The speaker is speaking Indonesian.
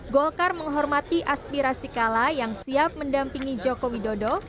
golkar menghormati aspirasi kala yang siap mendampingi joko widodo